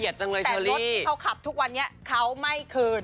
แต่รถที่เขาขับทุกวันนี้เขาไม่คืน